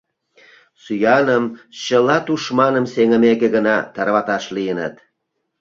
Сӱаным чыла тушманым сеҥымеке гына тарваташ лийыныт.